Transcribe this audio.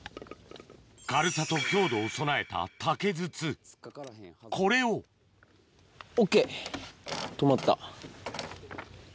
軽さと強度を備えたこれをＯＫ留まった。